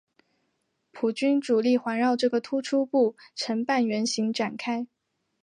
普军主力环绕这个突出部成半圆形展开。